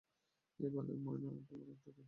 এই বালের মারানটা কে?